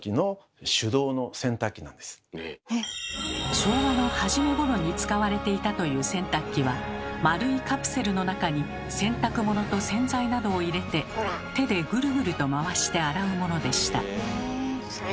昭和の初めごろに使われていたという洗濯機は丸いカプセルの中に洗濯物と洗剤などを入れて手でグルグルと回して洗うものでした。